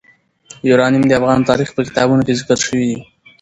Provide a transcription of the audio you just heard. یورانیم د افغان تاریخ په کتابونو کې ذکر شوی دي.